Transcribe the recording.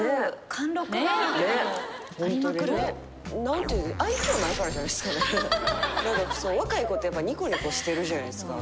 何か若い子ってやっぱにこにこしてるじゃないっすか。